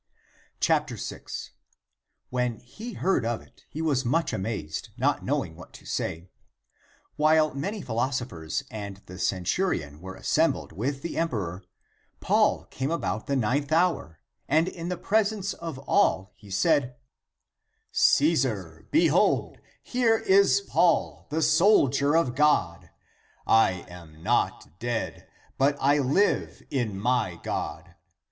6. When he heard (of it), he was much amazed, not knowing what to say. While many philoso phers and the centurion were assembled with the emperor, Paul came about the ninth hour, and in the presence of all he said, " Csesar behold, here is Paul, the soldier of God; I am not dead, but I live in my God.